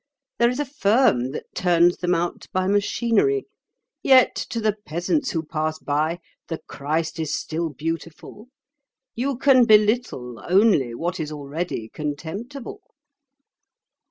There is a firm that turns them out by machinery. Yet, to the peasants who pass by, the Christ is still beautiful. You can belittle only what is already contemptible."